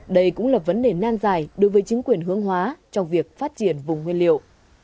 đây cũng là vấn đề nan dài đối với chính quyền hướng hóa trong việc phát triển vùng nguyên liệu